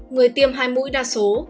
người tiêm hai mũi đa số